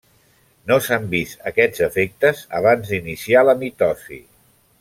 No s'han vist aquests efectes abans d'iniciar la mitosi.